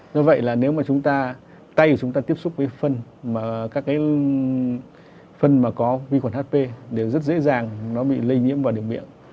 do vậy là nếu mà chúng ta tay của chúng ta tiếp xúc với phân các cái phân mà có vi khuẩn hp đều rất dễ dàng nó bị lây nhiễm vào đường miệng